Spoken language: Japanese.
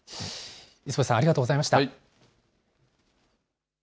磯部さん、ありがとうございました。